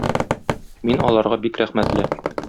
Мин аларга бик рәхмәтле.